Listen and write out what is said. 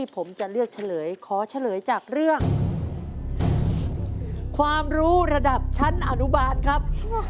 ผมจะเลือกเฉลยขอเฉลยจากเรื่องความรู้ระดับชั้นอนุบาลครับ